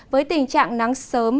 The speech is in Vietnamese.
với tình trạng nắng sớm